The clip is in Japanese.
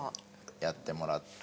やってもらって。